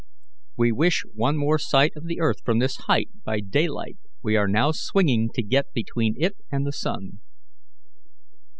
"We wish one more sight of the earth from this height, by daylight. We are now swinging to get between it and the sun."